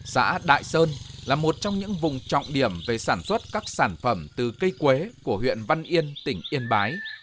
xã đại sơn là một trong những vùng trọng điểm về sản xuất các sản phẩm từ cây quế của huyện văn yên tỉnh yên bái